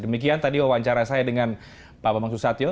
demikian tadi wawancara saya dengan pak bambang susatyo